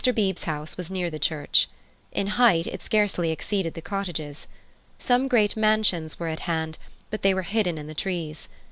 Beebe's house was near the church. In height it scarcely exceeded the cottages. Some great mansions were at hand, but they were hidden in the trees.